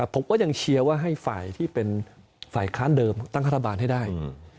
ผมก็ยังเชียร์ว่าให้ฝ่ายที่เป็นฝ่ายค้านเดิมตั้งรัฐบาลให้ได้